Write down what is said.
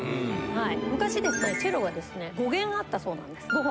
昔チェロが５弦あったそうなんです。